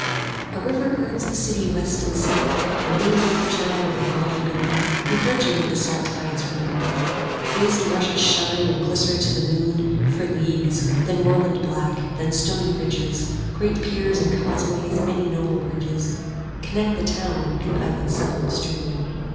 A river girds the city west and south, The main north channel of a broad lagoon, Regurging with the salt tides from the mouth; Waste marshes shine and glister to the moon 25 For leagues, then moorland black, then stony ridges; Great piers and causeways, many noble bridges, Connect the town and islet suburbs strewn.